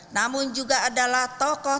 namun juga adalah tokoh